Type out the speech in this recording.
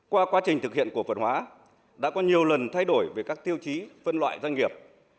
qua quá trình thực hiện cổ phần hóa đã có nhiều lần thay đổi về các tiêu chí phân loại doanh nghiệp